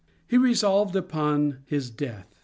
He resolved upon his death.